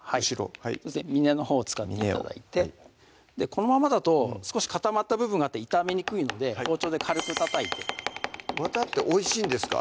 はいそうですね峰のほうを使って頂いてこのままだと少し固まった部分があって炒めにくいので包丁で軽く叩いてわたっておいしいんですか？